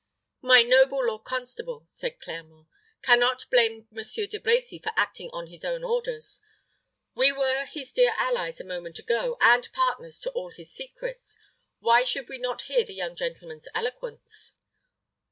"My noble lord constable," said Clermont, "can not blame Monsieur De Brecy for acting on his own orders. We were his dear allies a moment ago, and partners of all his secrets. Why should we not hear the young gentleman's eloquence?"